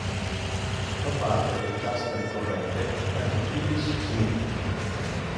Fa parte del cast ricorrente anche Phyllis Smith.